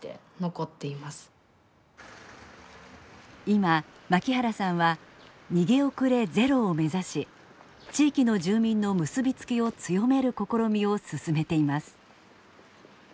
今槙原さんは「逃げ遅れゼロ」を目指し地域の住民の結び付きを強める試みを進めています。